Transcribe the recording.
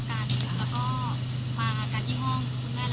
ไม่ทราบว่าละเอียดเป็นยังไง